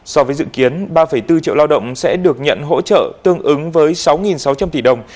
so với dự kiến ba bốn triệu lao động sẽ được nhận hỗ trợ tương ứng với sáu sáu trăm linh tỷ đồng